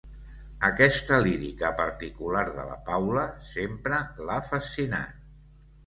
Aquesta lírica particular de la Paula sempre l'ha fascinat.